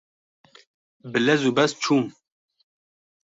bi lez û bez çûm